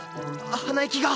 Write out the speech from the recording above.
鼻息が。